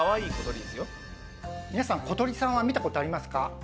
皆さん小鳥さんは見たことありますか？